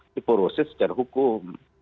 diproses secara hukum